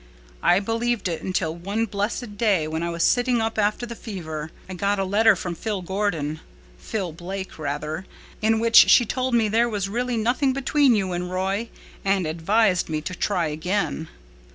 I believed it until one blessed day when I was sitting up after the fever. I got a letter from Phil Gordon—Phil Blake, rather—in which she told me there was really nothing between you and Roy, and advised me to 'try again.